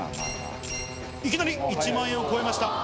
いきなり１万円を超えました。